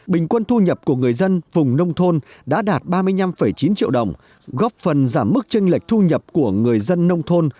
bình quân thu nhập của người dân vùng nông thôn đã đạt ba mươi năm chín triệu đồng góp phần giảm mức tranh lệch thu nhập của người dân nông thôn